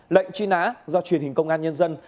lệnh truy nã do truyền hình công an nhân dân